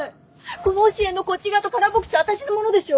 この押し入れのこっち側とカラーボックスは私のものでしょ。